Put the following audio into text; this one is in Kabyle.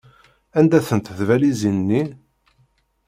Anda-tent tbalizin-nni?